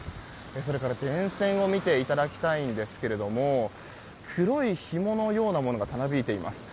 それから電線を見ていただきたいんですが黒いひものようなものがたなびいています。